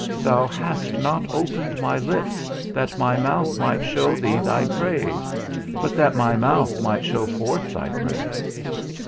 Thou hast not opened my lips that my mouth might show thee thy praise, but that my mouth might show forth thy praise.